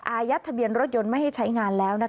อายัดทะเบียนรถยนต์ไม่ให้ใช้งานแล้ว